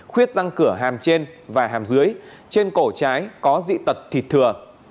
khuyết răng cửa hàng trên và hàm dưới trên cổ trái có dị tật thịt thừa